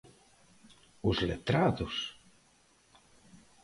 ¿Os letrados?